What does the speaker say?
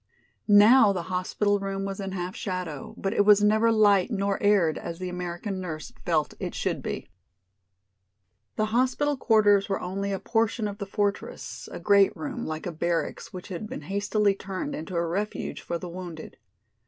Now the hospital room was in half shadow, but it was never light nor aired as the American nurse felt it should be. The hospital quarters were only a portion of the fortress, a great room, like a barracks which had been hastily turned into a refuge for the wounded.